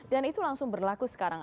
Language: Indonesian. dan itu langsung berlaku sekarang